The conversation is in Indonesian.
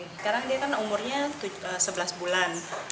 sekarang dia kan umurnya sebelas bulan